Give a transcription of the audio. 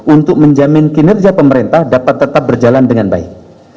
untuk menjamin kinerja pemerintah dapat tetap berjalan dengan baik